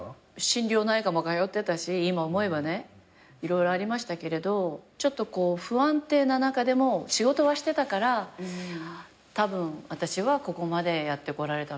心療内科も通ってたし今思えば色々ありましたけど不安定な中でも仕事はしてたからたぶん私はここまでやってこられたのかなと。